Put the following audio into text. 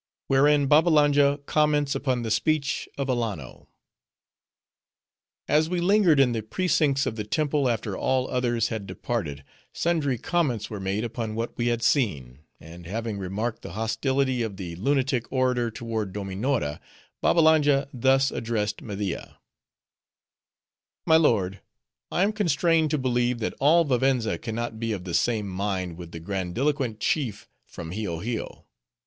Wherein Babbalanja Comments Upon The Speech Of Alanno As we lingered in the precincts of the temple after all others had departed, sundry comments were made upon what we had seen; and having remarked the hostility of the lunatic orator toward Dominora, Babbalanja thus addressed Media:— "My lord, I am constrained to believe, that all Vivenza can not be of the same mind with the grandiloquent chief from Hio Hio.